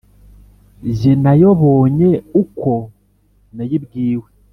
Jye nayobonye ukwo nayibwiwe